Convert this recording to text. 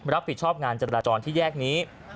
รับผิดชอบงานจราจรที่แยกนี้